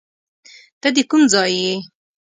ته د کوم ځای یې؟